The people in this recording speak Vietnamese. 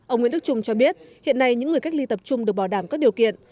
ông nguyễn đức trung cho biết hiện nay những người cách ly tập trung được bảo đảm các điều kiện